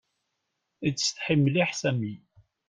Ittsetḥi mliḥ Sami.